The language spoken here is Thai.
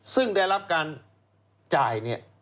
ซึ่งได้รับการจ่าย